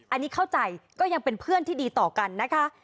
อันนี้เข้าใจก็ยังเป็นเพื่อนที่ดีต่อกันนะคะ